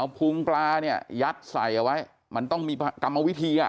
พุงปลาเนี่ยยัดใส่เอาไว้มันต้องมีกรรมวิธีอ่ะ